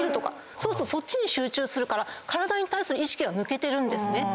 そうするとそっちに集中するから体に対する意識は抜けてるんですね。